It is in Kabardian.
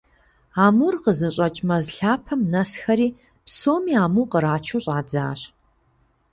Амур къызыщыкӀ мэз лъапэм нэсхэри, псоми аму кърачу щӀадзащ.